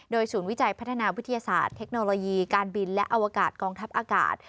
ศูนย์วิจัยพัฒนาวิทยาศาสตร์เทคโนโลยีการบินและอวกาศกองทัพอากาศ